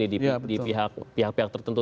di pihak pihak tertentu